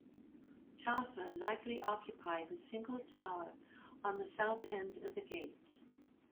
Chaucer likely occupied the single tower on the south end of the gate.